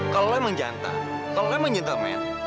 kalau emang jantan kalau emang gentleman